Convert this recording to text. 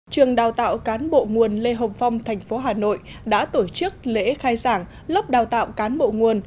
trường đào tạo cán bộ nguồn lê hồng phong thành phố hà nội đã tổ chức lễ khai giảng lớp đào tạo cán bộ nguồn